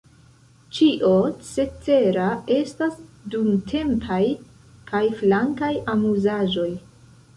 Ĉio cetera estas dumtempaj kaj flankaj amuzaĵoj.